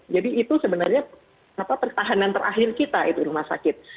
itu sebenarnya pertahanan terakhir kita itu rumah sakit